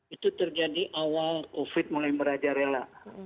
itu terjadi awal covid mulai meraja rela